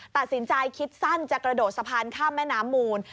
ตัดสินใจคิดสั้นจะกระโดดสะพานข้ามแม่น้ำมูล